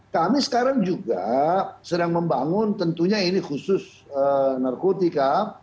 kami sekarang juga sedang membangun tentunya ini khusus narkotika